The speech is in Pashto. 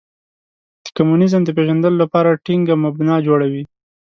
د کمونیزم د پېژندلو لپاره ټینګه مبنا جوړوي.